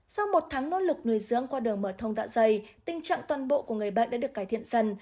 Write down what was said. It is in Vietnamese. sau một tháng nỗ lực nuôi dưỡng qua đường mở thông dạ dày tình trạng toàn bộ của người bệnh đã được cải thiện dần